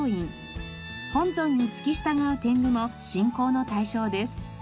本尊に付き従う天狗も信仰の対象です。